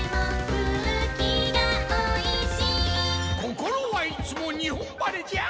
心はいつも日本晴れじゃ。